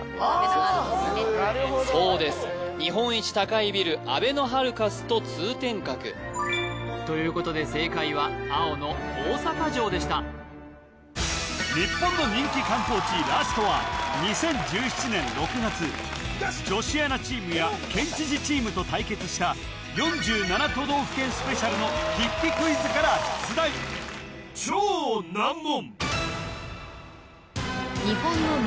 ・なるほどそうです日本一高いビルあべのハルカスと通天閣ということで正解は青の大阪城でした日本の人気観光地ラストは女子アナチームや県知事チームと対決した４７都道府県スペシャルの筆記クイズから出題超難問